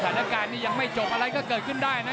สถานการณ์นี้ยังไม่จบอะไรก็เกิดขึ้นได้นะ